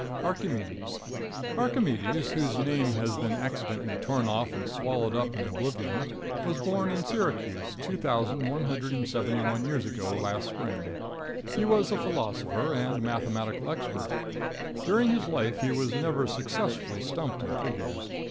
Archimedes. Archimedes, whose given name has been accidentally torn off and swallowed up in oblivion, was born in Syracuse, 2,171 years ago last spring. He was a philosopher and mathematical expert. During his life he was never successfully stumped in figures.